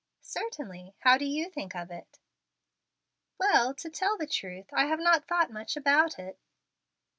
"Certainly. How do you think of it?" "Well, to tell the truth, I have not thought much about it."